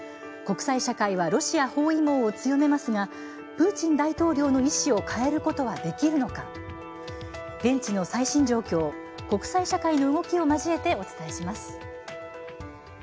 国際社会はロシア包囲網を強めますがプーチン大統領の意思を変えることはできるのか現地の最新状況、国際社会の動きを交えてお伝えします。